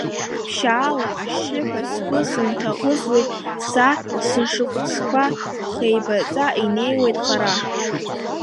Ԥшьшьала ашьшьыҳәа сгәы сынҭаӷызуеит, са сышықәсқәа ԥхеибаҵа инеиуеит хара.